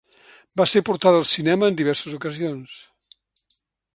Va ser portada al cinema en diverses ocasions.